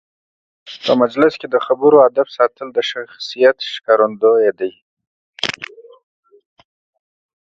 په مجلس کې د خبرو آدب ساتل د شخصیت ښکارندوی دی.